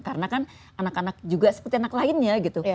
karena kan anak anak juga seperti anak lainnya gitu